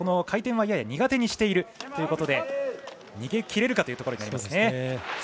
回転はやや苦手にしているということで逃げきれるかというところになりますね。